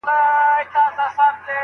موږ څنګه له کړکۍ څخه ډبره چاڼ کوو؟